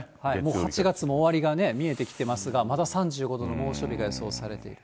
もう８月も終わりが見えてきていますが、まだ３５度の猛暑日が予想されている。